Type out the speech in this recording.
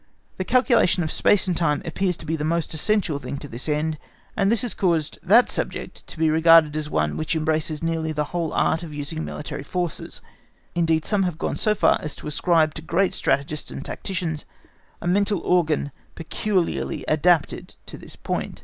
The calculation of space and time appears as the most essential thing to this end—and this has caused that subject to be regarded as one which embraces nearly the whole art of using military forces. Indeed, some have gone so far as to ascribe to great strategists and tacticians a mental organ peculiarly adapted to this point.